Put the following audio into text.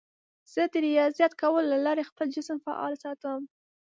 زه د ریاضت کولو له لارې خپل جسم فعال ساتم.